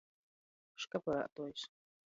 Škaparātuojs.